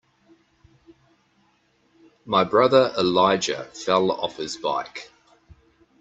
My brother Elijah fell off his bike.